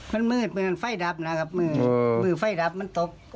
มันมืดเป็นไฟดับนะครับมือไฟดับมันตก